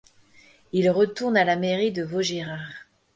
Il retourne à la Mairie de Vaugirard.